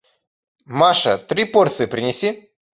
Маша, три порции принеси.